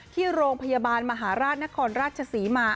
ที่โรงพยาบาลมหาราชนครราชศรีมา